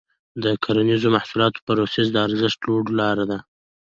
د کرنیزو محصولاتو پروسس د ارزښت لوړولو لاره ده.